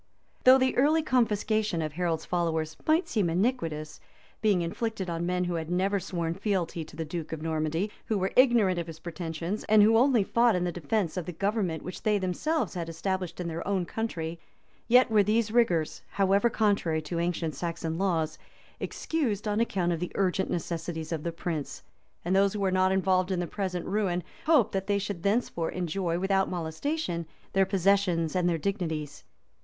Though the early confiscation of Harold's followers might seem iniquitous, being inflicted on men who had never sworn fealty to the duke of Normandy, who were ignorant of his pretensions, and who only fought in defence of the government which they themselves had established in their own country, yet were these rigors, however contrary to the ancient Saxon laws, excused on account of the urgent necessities of the prince; and those who were not involved in the present ruin, hoped that they should thenceforth enjoy, without molestation, their possessions and their dignities.